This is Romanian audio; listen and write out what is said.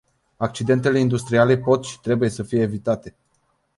Accidentele industriale pot și trebuie să fie evitate.